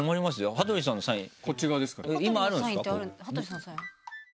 羽鳥さんのサイン。